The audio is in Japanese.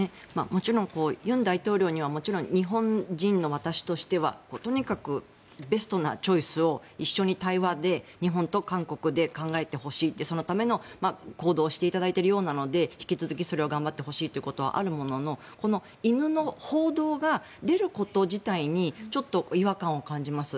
もちろん尹大統領には日本人の私としてはとにかくベストなチョイスを一緒に対話で日本と韓国で考えてほしいそのための行動をしていただいているようなので引き続きそれを頑張ってほしいということはあるもののこの犬の報道が出ること自体にちょっと違和感を感じます。